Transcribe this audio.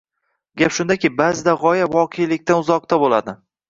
Gap shundaki, baʼzida g‘oya voqelikdan uzoqda bo‘ladi.